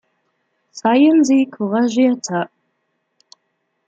Seien Sie couragierter!